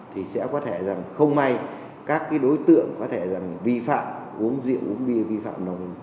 thì sẽ có thể rằng không may các cái đối tượng có thể rằng vi phạm uống rượu uống bia vi phạm nồng